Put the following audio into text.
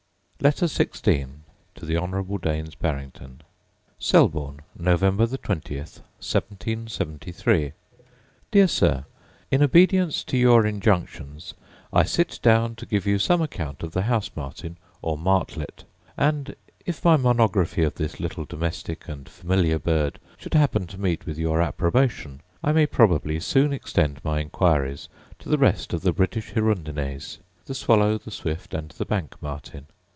iv. pi. ii. Letter XVI To The Honourable Daines Barrington Selborne, Nov. 20, 1773. Dear Sir, In obedience to your injunctions I sit down to give you some account of the house martin, or martlet; and, if my monography of this little domestic and familiar bird should happen to meet with your approbation, I may probably soon extend my inquiries to the rest of the British hirundines — the swallow, the swift, and the bank martin.